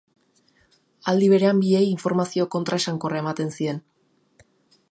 Aldi berean biei informazio kontraesankorra ematen zien.